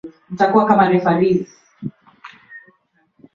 Huko Uswisi na Austria na milima hii ilianza kutokea